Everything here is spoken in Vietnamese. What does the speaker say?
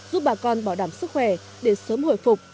giúp bà con bảo đảm sức khỏe để sớm hồi phục